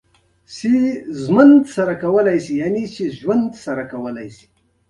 خوشال بابا هم د همت په وزرونو الوتل یادوي